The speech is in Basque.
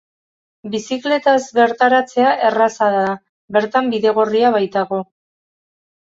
Bizikletaz bertaratzea erraza da, bertan bidegorria baitago.